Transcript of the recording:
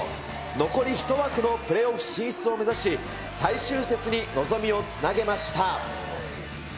残り１枠のプレーオフ進出を目指し、最終節に望みをつなげました。